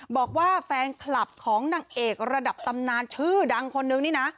บอกว่าแฟนคลับของนางเอกระดับตำนานชื่อดังคนนึงนี่นะ